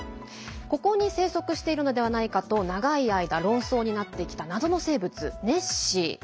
ここに生息しているのではないかと長い間、論争になってきた謎の生物ネッシー。